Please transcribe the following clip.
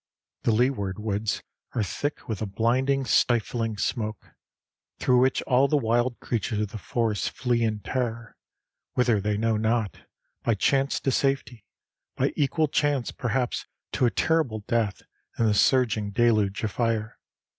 The leeward woods are thick with a blinding, stifling smoke, through which all the wild creatures of the forest flee in terror, whither they know not by chance to safety, by equal chance perhaps to a terrible death in the surging deluge of fire.